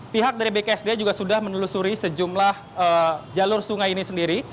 pihak dari bksda juga sudah menelusuri sejumlah jalur sungai ini sendiri